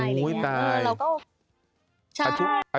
โอ้โฮไม่ได้แล้วเราก็ใช่ค่ะ